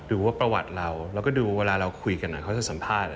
ดูว่าประวัติเราแล้วก็ดูเวลาเราคุยกันเขาจะสัมภาษณ์